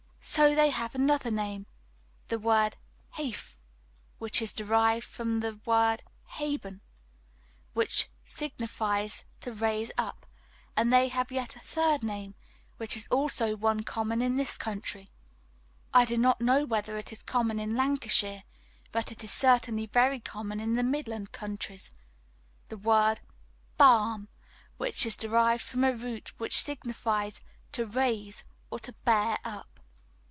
So they have another name, the word "hefe," which is derived from their verb "heben," which signifies to raise up; and they have yet a third name, which is also one common in this country (I do not know whether it is common in Lancashire, but it is certainly very common in the Midland countries), the word "barm," which is derived from a root which signifies to raise or to bear up.